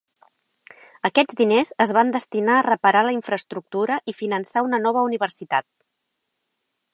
Aquests diners es van destinar a reparar la infraestructura i finançar una nova universitat.